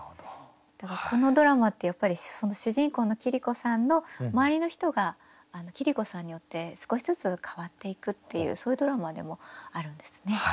だからこのドラマってやっぱりその主人公の桐子さんの周りの人が桐子さんによって少しずつ変わっていくっていうそういうドラマでもあるんですね。